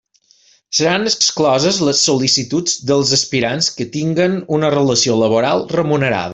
Seran excloses les sol·licituds dels aspirants que tinguen una relació laboral remunerada.